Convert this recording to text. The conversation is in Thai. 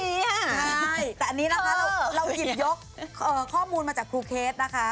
ใช่แต่อันนี้นะคะเราหยิบยกข้อมูลมาจากครูเคสนะคะ